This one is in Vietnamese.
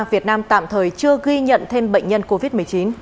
việt nam tạm thời chưa ghi nhận thêm bệnh nhân covid một mươi chín